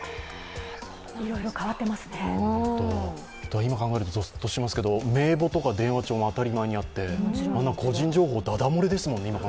今考えるとゾッとしますけど、名簿とか電話帳も当たり前にあって、個人情報だだ漏れですね。